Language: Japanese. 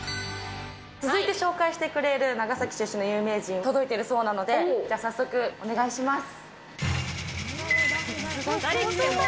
続いて紹介してくれる長崎出身の有名人、届いているそうなので、じゃあ早速お願いします。